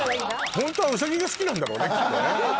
ホントはうさぎが好きなんだろうねきっとね。